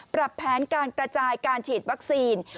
ปรับแผนการกระจายการฉีดวัคซีน